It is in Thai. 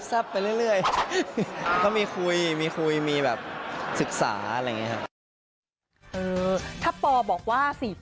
เธอรู้เลยป่ะ